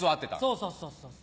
そうそうそうそう。